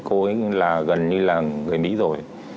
cô ấy là gần như là người mỹ rồi